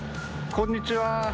こんにちは。